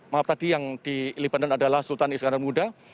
maaf tadi yang di libanon adalah sultan iskandar muda